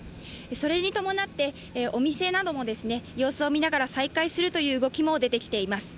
それに伴って、お店なども様子を見ながら再開する動きも出てきています。